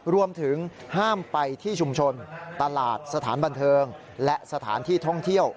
รวมถึงห้ามไปที่ชุมชนตลาดสถานบันเทิงและสถานที่ท่องเที่ยว